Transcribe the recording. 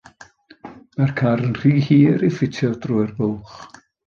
Mae'r car yn rhy hir i ffitio drwy'r bwlch.